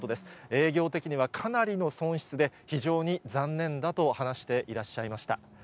営業的にはかなりの損失で非常に残念だと話していらっしゃいました。